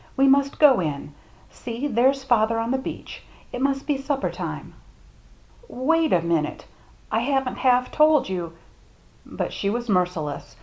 We must go in. See, there's father on the beach. It must be supper time." " Wait a minute — I haven't half told you —" But she was merciless.